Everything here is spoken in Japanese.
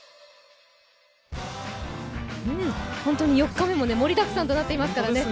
本当に４日目も盛りだくさんとなっていますからね。